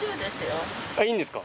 いいんですか？